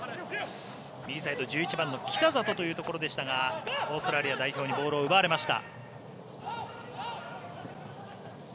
右サイド、１１番の北里というところでしたがオーストラリアにボールを奪われました。